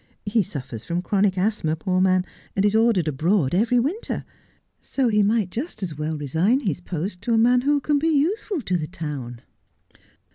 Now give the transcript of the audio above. He suffers from chronic asthma, poor man, and is ordered abroad every winter, so he might just as well resign his post to a man who can be useful to the town.'